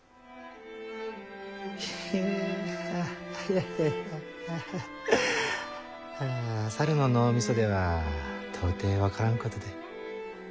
ヘヘハハいやいやあ猿の脳みそでは到底分からんことで。